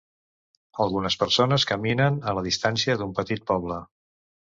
Algunes persones caminen a la distància d'un petit poble.